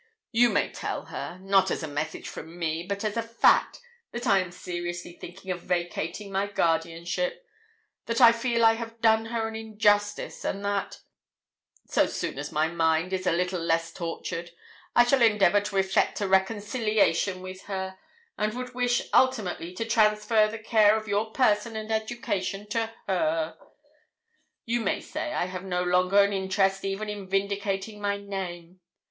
You may tell her, not as a message from me, but as a fact, that I am seriously thinking of vacating my guardianship that I feel I have done her an injustice, and that, so soon as my mind is a little less tortured, I shall endeavour to effect a reconciliation with her, and would wish ultimately to transfer the care of your person and education to her. You may say I have no longer an interest even in vindicating my name.